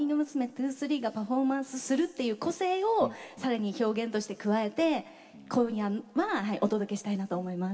’２３がパフォーマンスするっていう個性をさらに表現として加えて今夜はお届けしたいなと思います。